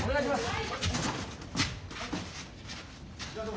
はい。